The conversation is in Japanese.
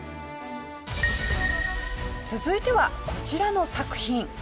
続いてはこちらの作品。